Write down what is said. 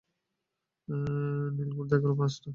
নীলু ঘড় িদেখল, পাঁচটা পাঁচ।